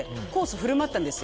ふるまったんですよ。